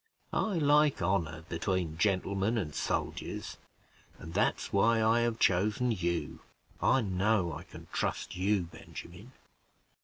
I like honor between gentlemen and soldiers; and that's why I have chosen you. I know I can trust you, Benjamin.